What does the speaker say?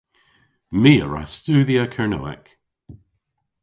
My a wra studhya Kernewek.